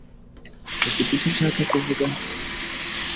Ufite icyo ushaka kuvuga?